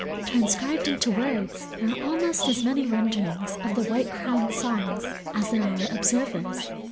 Transcribed into words, there are almost as many renderings of the White crowned's song as there are observers.